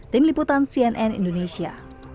tim liputan cnn indonesia